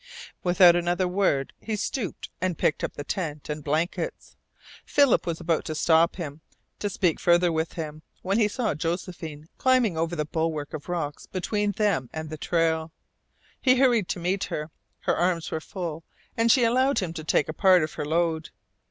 Without another word he stooped and picked up the tent and blankets. Philip was about to stop him, to speak further with him, when he saw Josephine climbing over the bulwark of rocks between them and the trail. He hurried to meet her. Her arms were full, and she allowed him to take a part of her load.